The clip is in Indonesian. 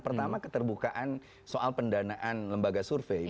pertama keterbukaan soal pendanaan lembaga survei